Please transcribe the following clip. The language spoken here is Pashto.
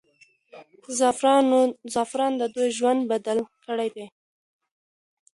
زعفران د دوی ژوند بدل کړی دی.